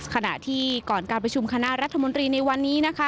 ขณะที่ก่อนการประชุมคณะรัฐมนตรีในวันนี้นะคะ